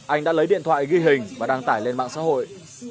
anh đã lấy điện thoại ghi hình và đăng tải lên mạng xã hội